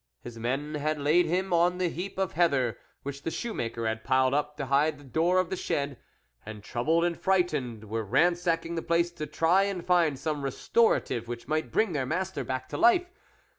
His men had laid him on the heap of heather which the shoe maker had piled up to hide the door of the shed, and troubled and frightened, were ransacking the place to try and find some restorative which might bring their master back to life.